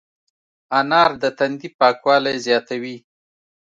انار د تندي پاکوالی زیاتوي.